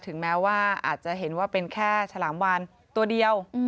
ถึงแม้ว่าอาจจะเห็นว่าเป็นแค่ฉลามวานตัวเดียว